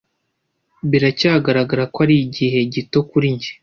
biracyagaragara ko ari igihe gito kuri njye